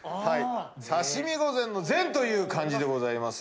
刺身御膳の「膳」という漢字でございます。